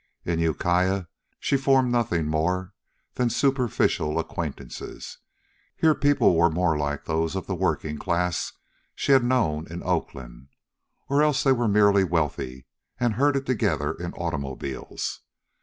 In Ukiah she formed nothing more than superficial acquaintances. Here people were more like those of the working class she had known in Oakland, or else they were merely wealthy and herded together in automobiles.